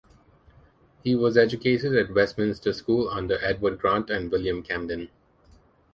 He was educated at Westminster School, under Edward Grant and William Camden.